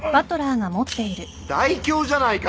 大凶じゃないか！